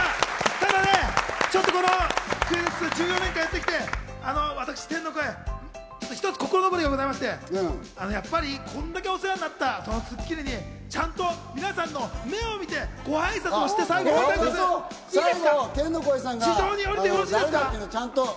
ただね、クイズッス１４年間やってきて、私、天の声、ひとつ心残りがございまして、やっぱりこれだけお世話になった『スッキリ』に、ちゃんと皆さんの目を見て、ご挨拶をして最後を迎えたいと思うんです。